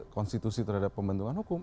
konstitusi terhadap pembentukan hukum